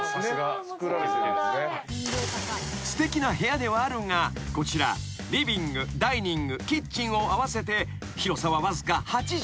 ［すてきな部屋ではあるがこちらリビングダイニングキッチンを合わせて広さは］